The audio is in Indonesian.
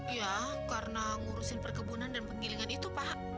ya karena ngurusin perkebunan dan penggilingan itu pak